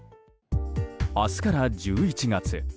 明日から１１月。